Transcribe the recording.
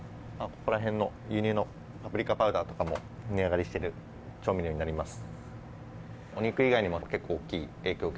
この辺の輸入のパプリカパウダーとかも値上がりしている調味料になります。